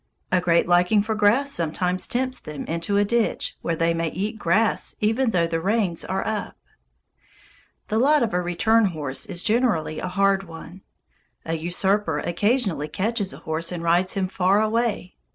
A great liking for grass sometimes tempts them into a ditch, where they may eat grass even though the reins are up. The lot of a return horse is generally a hard one. A usurper occasionally catches a horse and rides him far away.